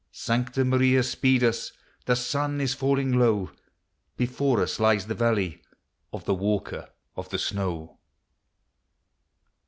Sancta Maria speed us ! The sun is falling low, Before us lies the valley, Of the Walker of the Snow